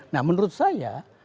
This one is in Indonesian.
nah menurut saya